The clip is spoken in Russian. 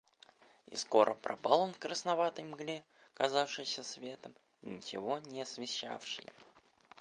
И скоро пропал он в красноватой мгле, казавшейся светом и ничего не освещавшей.